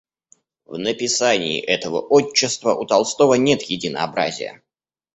В написании этого отчества у Толстого нет единообразия.